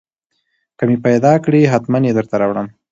که مې پېدا کړې حتمن يې درته راوړم.